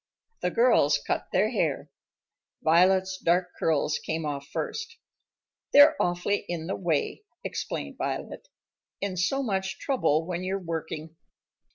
The girls cut their hair. Violet's dark curls came off first. "They're awfully in the way," explained Violet, "and so much trouble when you're working."